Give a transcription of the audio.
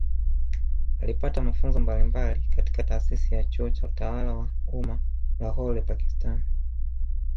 Alipata mafunzo mbalimbali katika Taasisi ya Chuo cha Utawala wa Umma Lahore Pakistani